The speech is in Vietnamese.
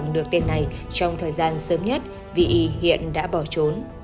được tên này trong thời gian sớm nhất vị hiện đã bỏ trốn